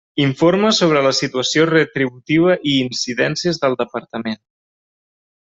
Informa sobre la situació retributiva i incidències del Departament.